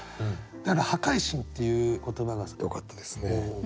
だから「破壊神」っていう言葉がよかったですね。